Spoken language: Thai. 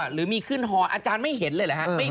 หรือมีขึ้นฮออาจารย์ไม่เห็นเลยเหรอฮะ